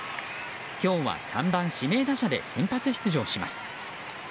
今日は３番指名打者で先発出場します。